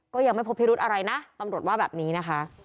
ก็ยังไม่พบพิรุธอะไรนะตำรวจว่าแบบนี้นะคะ